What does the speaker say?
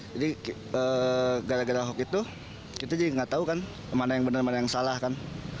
jadi gara gara hoaks itu kita jadi gak tau kan mana yang bener mana yang salah kan